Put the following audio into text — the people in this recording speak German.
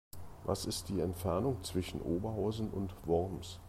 Was ist die Entfernung zwischen Oberhausen und Worms?